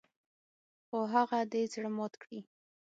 خو هغه دې زړه مات کړي .